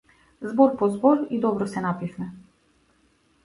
Збор по збор, и добро се напивме.